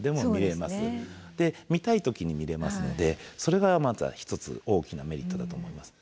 見たい時に見れますのでそれがまずは一つ大きなメリットだと思います。